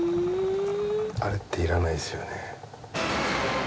あれっていらないですよね。